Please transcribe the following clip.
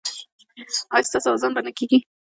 ایا ستاسو اذان به نه کیږي؟